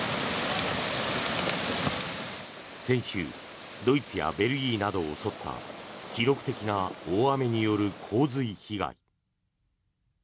先週ドイツやベルギーなどを襲った記録的な大雨による洪水被害。